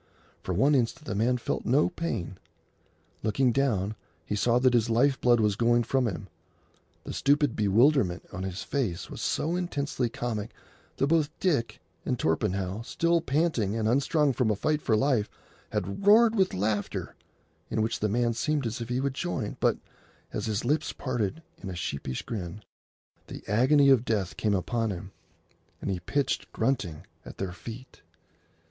For one instant the man felt no pain. Looking down, he saw that his life blood was going from him. The stupid bewilderment on his face was so intensely comic that both Dick and Torpenhow, still panting and unstrung from a fight for life, had roared with laughter, in which the man seemed as if he would join, but, as his lips parted in a sheepish grin, the agony of death came upon him, and he pitched grunting at their feet.